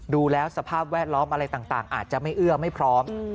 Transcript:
ดูแล้วสภาพแวดล้อมอะไรต่างอาจจะไม่เอื้อไม่พร้อม